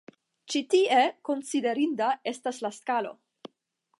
Ĉi tie konsiderinda estas la skalo.